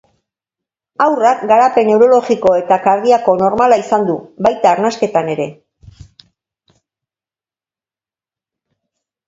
Haurrak garapen neurologiko eta kardiako normala izan du, baita arnasketan ere.